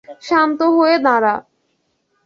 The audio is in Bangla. শান্ত হয়ে দাঁড়া।